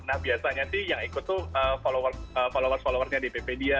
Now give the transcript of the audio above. nah biasanya sih yang ikut tuh followers followersnya dpp dia